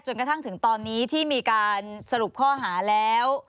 กระทั่งถึงตอนนี้ที่มีการสรุปข้อหาแล้ว